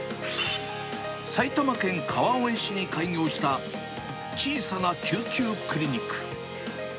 埼玉県川越市に開業した小さな救急クリニック。